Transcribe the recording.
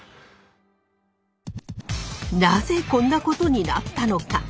なぜこんなことになったのか？